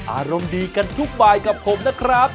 อารมณ์ดีกันทุกบายกับผมนะครับ